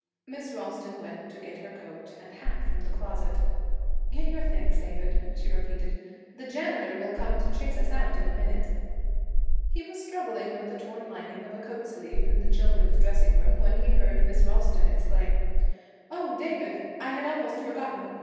Miss Ralston went to get her coat and hat from the closet. 'Get your things, David,' she repeated. 'The janitor will come to chase us out in a minute.' He was struggling with the torn lining of a coat sleeve in the children's dressing room, when he heard Miss Ralston exclaim, 'Oh, David! I had almost forgotten.